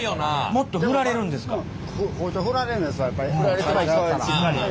もっとふられるんですか？